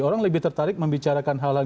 orang lebih tertarik membicarakan hal hal